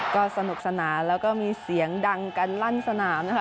ก็สนุกสนานแล้วก็มีเสียงดังกันลั่นสนามนะคะ